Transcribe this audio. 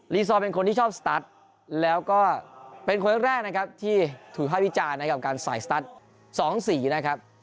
ซอลเป็นคนที่ชอบสตัสแล้วก็เป็นคนแรกนะครับที่ถูกภาพวิจารณ์นะครับการใส่สตัส๒สีนะครับ